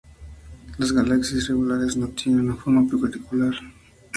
Las galaxias irregulares no tienen una forma particular.